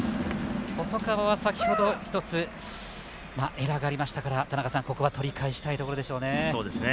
細川は、先ほど１つエラーがありましたから、ここは取り返したいところでしょうね。